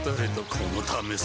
このためさ